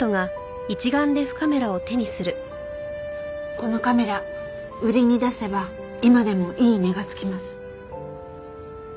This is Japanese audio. このカメラ売りに出せば今でもいい値がつきます。